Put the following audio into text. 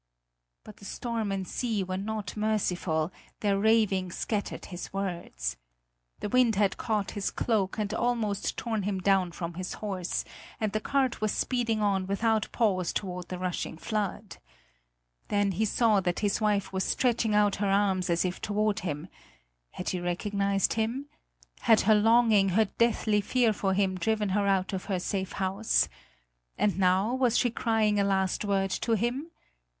But the storm and sea were not merciful, their raving scattered his words. The wind had caught his cloak and almost torn him down from his horse; and the cart was speeding on without pause towards the rushing flood. Then he saw that his wife was stretching out her arms as if toward him. Had she recognised him? Had her longing, her deathly fear for him driven her out of her safe house? And now was she crying a last word to him?